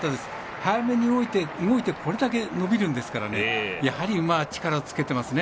早めに動いてこれだけ伸びるんですからやはり馬は力つけてますね。